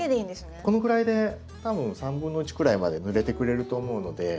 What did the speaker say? このくらいで多分1/3くらいまでぬれてくれると思うので。